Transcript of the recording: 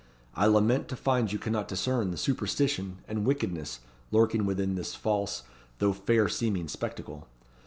I lament to find you cannot discern the superstition and wickedness lurking within this false, though fair seeming spectacle.